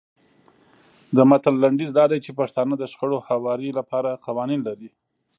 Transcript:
د متن لنډیز دا دی چې پښتانه د شخړو هواري لپاره قوانین لري.